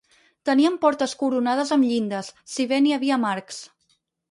Tenien portes coronades amb llindes, si bé n'hi havia amb arcs.